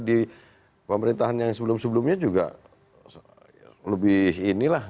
di pemerintahan yang sebelum sebelumnya juga lebih ini lah